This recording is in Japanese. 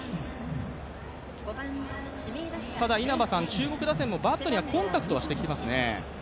中国打線もバットにはコンタクトはしてきていますね。